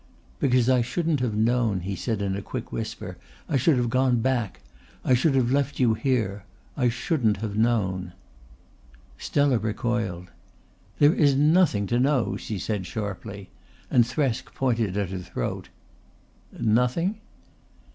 "Because I shouldn't have known," he said in a quick whisper. "I should have gone back. I should have left you here. I shouldn't have known." Stella recoiled. "There is nothing to know," she said sharply, and Thresk pointed at her throat. "Nothing?"